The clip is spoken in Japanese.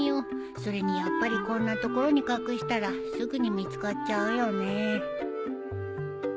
それにやっぱりこんな所に隠したらすぐに見つかっちゃうよね。